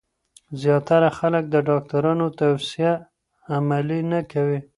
زیاتره خلک د ډاکټرانو توصیه عملي نه کوي.